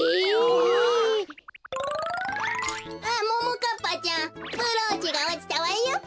かっぱちゃんブローチがおちたわよべ。